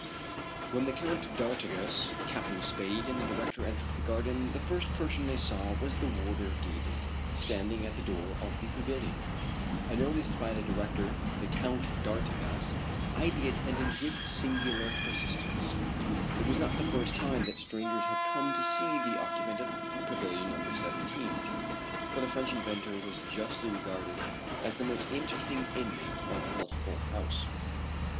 When the Count d'Artigas, Captain Spade, and the director entered the garden, the first person they saw was the warder Gaydon, standing at the door of the pavilion. Unnoticed by the director the Count d'Artigas eyed the attendant with singular persistence. It was not the first time that strangers had come to see the occupant of Pavilion No. 17, for the French inventor was justly regarded as the most interesting inmate of Healthful House.